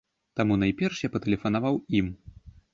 Таму найперш я патэлефанаваў ім.